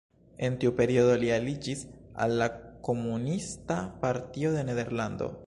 En tiu periodo li aliĝis al la Komunista Partio de Nederlando.